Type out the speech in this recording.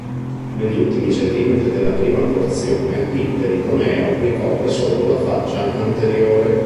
Negli ultimi centimetri della prima porzione il peritoneo ricopre solo la faccia anteriore.